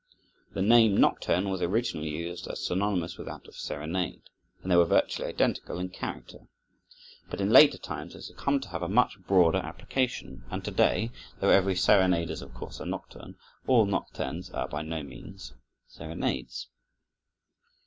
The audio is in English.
The name nocturne was originally used as synonymous with that of serenade, and they were virtually identical in character. But in later times it has come to have a much broader application, and to day, though every serenade is of course a nocturne, all nocturnes are by no means serenades.